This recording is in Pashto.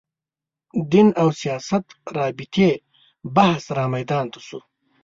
دین او سیاست رابطې بحث رامیدان ته شو